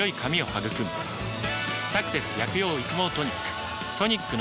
「サクセス薬用育毛トニック」